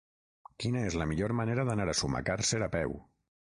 Quina és la millor manera d'anar a Sumacàrcer a peu?